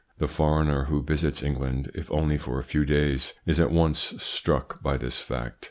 The foreigner who visits England, if only for a few days, is at once struck by this fact.